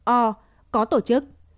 o có tổ chức